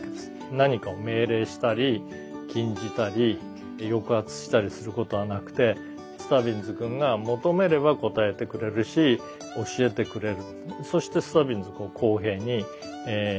何かを命令したり禁じたり抑圧したりすることはなくてスタビンズ君が求めればこたえてくれるし教えてくれる。